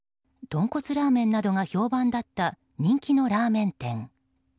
豚骨ラーメンなどが評判だった人気のラーメン店。